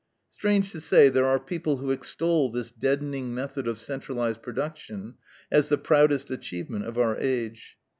Strange to say, there are people who extol this deadening method of centralized production as the proudest achievement of our age.